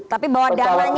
tapi bahwa dananya